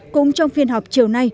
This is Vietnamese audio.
cũng trong phiên họp chiều nay